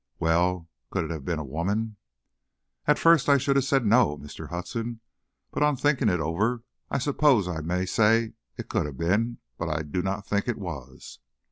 "Well, could it have been a woman?" "At first I should have said no, Mr. Hudson. But on thinking it over, I suppose I may say it could have been but I do not think it was."